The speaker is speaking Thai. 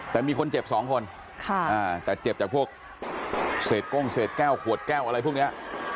แต่มีคนเจ็บ๒คนแต่เจ็บจากพวกเศษก้งเศษแก้วขวดแก้วอะไรพวกนี้